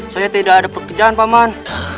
saya teh udah ada pekerjaan paman